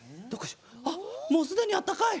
あっもうすでにあったかい。